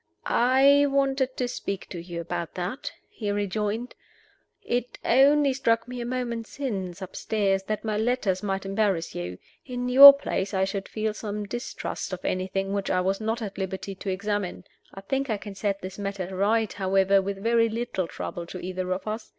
"I wanted to speak to you about that," he rejoined. "It only struck me a moment since, upstairs, that my letters might embarrass you. In your place I should feel some distrust of anything which I was not at liberty to examine. I think I can set this matter right, however, with very little trouble to either of us.